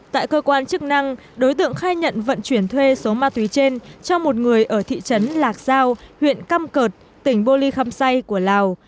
tại cơ quan chức năng đối tượng khai nhận vận chuyển thuê số ma túy trên cho một người ở thị trấn lạc giao huyện căm cợt tỉnh bô ly khâm say của lào